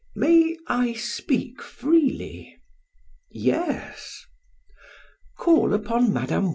"May I speak freely?" "Yes." "Call upon Mme.